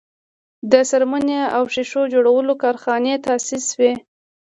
د څرمنې او ښیښو جوړولو کارخانې تاسیس شوې.